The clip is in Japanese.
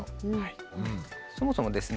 そもそもですね